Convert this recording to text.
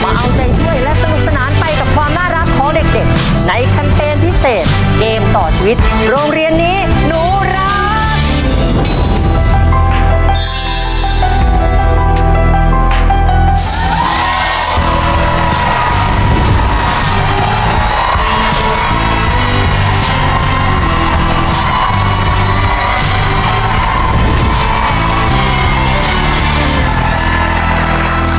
เอาใจช่วยและสนุกสนานไปกับความน่ารักของเด็กในแคมเปญพิเศษเกมต่อชีวิตโรงเรียนนี้หนูรัก